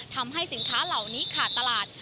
ทำให้สินค้าเหล่านี้ขาดตลาด